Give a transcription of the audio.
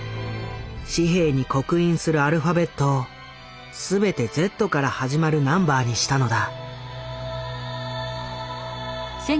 紙幣に刻印するアルファベットをすべて「Ｚ」から始まるナンバーにしたのだ。